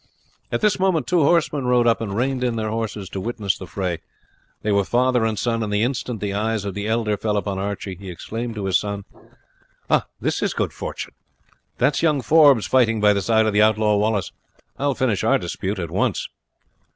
At this moment two horsemen rode up and reined in their horses to witness the fray. They were father and son, and the instant the eyes of the elder fell upon Archie he exclaimed to his son: "This is good fortune. That is young Forbes fighting by the side of the outlaw Wallace. I will finish our dispute at once."